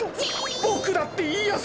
ボクだっていやさ！